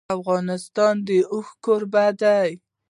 افغانستان د اوښ کوربه دی.